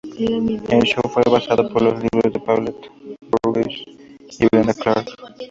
El show fue basado por los libros de Paulette Bourgeois y Brenda Clark.